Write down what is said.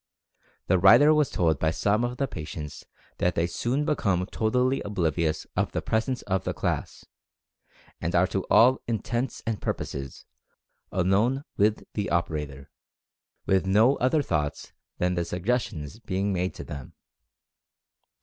The writer was told by some of the patients that they soon be come totally oblivious of the presence of the class, and are to all intents and purposes, alone with the operator, with no other thoughts than the suggestions being made to them."